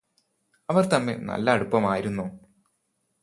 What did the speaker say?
അവർ തമ്മിൽ നല്ല അടുപ്പമായിരുന്നോ